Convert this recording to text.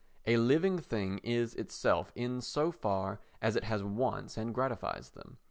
A living thing is itself in so far as it has wants and gratifies them.